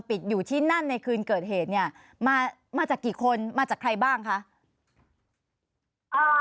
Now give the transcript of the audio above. อยู่ที่นั่นในคืนเกิดเหตุเนี่ยมามาจากกี่คนมาจากใครบ้างคะ